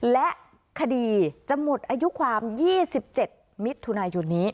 และคดีจะหมดอายุความ๒๗มิถุนายนนี้